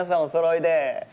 おそろいで。